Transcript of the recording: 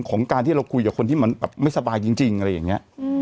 ของการที่เราคุยกับคนที่มันแบบไม่สบายจริงอะไรอย่างนี้